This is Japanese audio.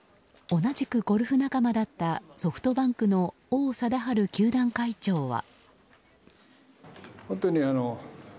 同じくゴルフ仲間だったソフトバンクの王貞治球団会長は。